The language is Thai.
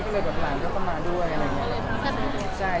ก็เลยแบบหลานเขาก็มาด้วย